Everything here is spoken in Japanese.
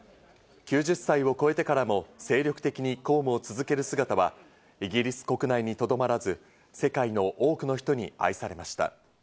９０歳を超えてからも精力的に公務を続ける姿はイギリス国内にとどまらず、世界の多くの人に愛されました。